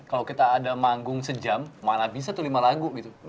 kalau kita ada manggung sejam mana bisa tuh lima lagu gitu